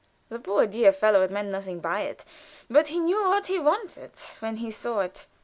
(The poor dear fellow had meant nothing, but he knew what he wanted when he saw it.)